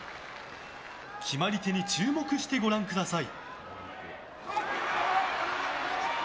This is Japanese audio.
決まり手に注目してご覧ください。